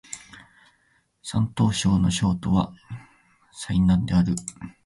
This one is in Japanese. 山東省の省都は済南である